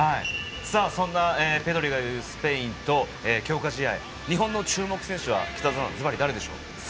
そんなペドリがいるスペインと強化試合、日本の注目選手は北澤さん、ズバリ誰でしょう？